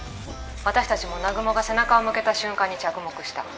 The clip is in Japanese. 「私たちも南雲が背中を向けた瞬間に着目した」